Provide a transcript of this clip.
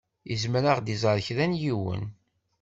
Izmer ad ɣ-d-iẓeṛ kra n yiwen.